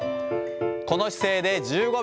この姿勢で１５秒。